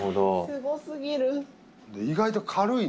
すごすぎる。